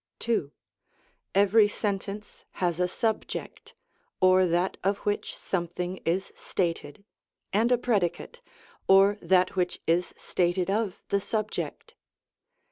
2. Every sentence has a subject, or that of which something is stated, and a predicate, or that which is stated of the subject.